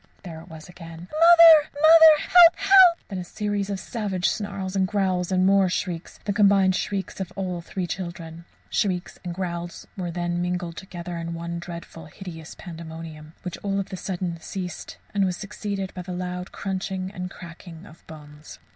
There it was again, "Mother! Mother! Help! Help!" Then a series of savage snarls and growls and more shrieks the combined shrieks of all three children. Shrieks and growls were then mingled together in one dreadful, hideous pandemonium, which all of a sudden ceased, and was succeeded by the loud crunching and cracking of bones.